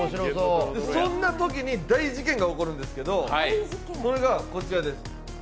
そんなときに大事件が起こるんですけど、それがこちらです。